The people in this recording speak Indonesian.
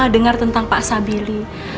dengar tentang pak sabili